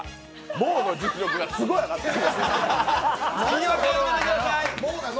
ＭＯＷの実力がすごい上がってる。